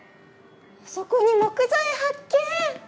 あそこに木材発見！